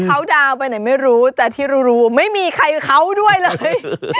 เขาดาวน์ไปไหนไม่รู้แต่ที่รู้ไม่มีใครเขาด้วยเลย